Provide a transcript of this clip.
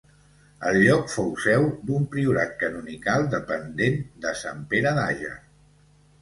El lloc fou seu d'un priorat canonical dependent de Sant Pere d'Àger.